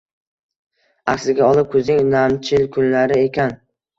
Aksiga olib, kuzning namchil kunlari ekan